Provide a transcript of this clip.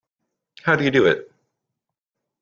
How do you do it?